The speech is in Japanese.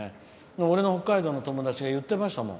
俺の北海道の友達が言ってましたもん。